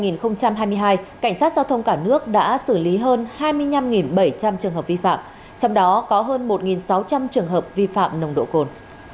năm hai nghìn hai mươi hai cảnh sát giao thông cả nước đã xử lý hơn hai mươi năm bảy trăm linh trường hợp vi phạm trong đó có hơn một sáu trăm linh trường hợp vi phạm nồng độ cồn